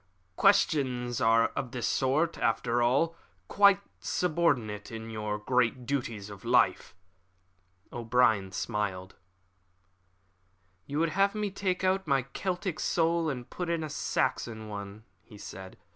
"Questions of this sort are, after all, quite subordinate to the great duties of life." O'Brien smiled. "You would have me take out my Celtic soul and put in a Saxon one," he said.